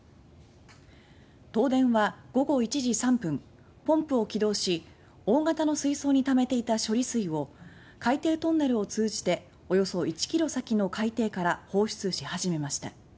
東電は、午後１時３分ポンプを起動し大型の水槽にためていた処理水を海底トンネルを通じておよそ１ｋｍ先の海底から放出し始めました。